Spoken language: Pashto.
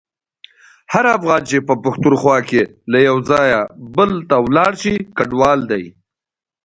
هر افغان چي په پښتونخوا کي له یو ځایه بل ته ولاړشي کډوال دی.